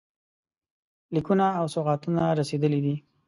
لیکونه او سوغاتونه رسېدلي دي.